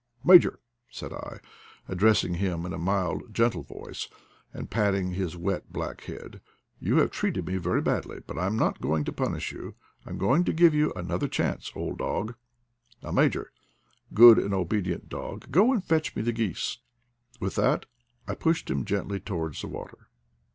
"Major," said I, addressing him in a mild gen tle voice, and patting his wet black head, "you have treated me very badly, but I am not going to punish you — I'm going to give you another chance, old dog. Now, Major, good and obedient dog, go and fetch me the geese. " With that I pushed him gently towards the water.